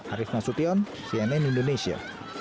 arif nasution cnn indonesia